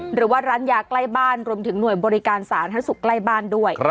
หรือว่าร้านยาใกล้บ้านรวมถึงหน่วยบริการสาธารณสุขใกล้บ้านด้วย